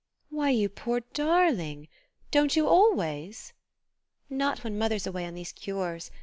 "Why, you poor darling! Don't you always?" "Not when mother's away on these cures.